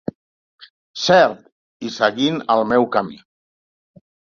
Cert", i "Seguint el meu camí".